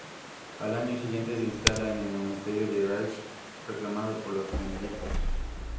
Al año siguiente se instala en el monasterio de Irache reclamado por los benedictinos.